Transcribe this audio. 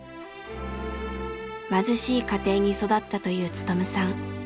貧しい家庭に育ったという勉さん。